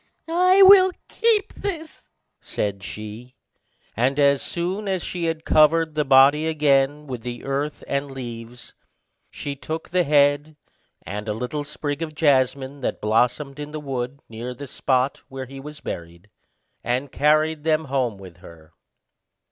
"I will keep this," said she; and as soon as she had covered the body again with the earth and leaves, she took the head and a little sprig of jasmine that bloomed in the wood, near the spot where he was buried, and carried them home with her.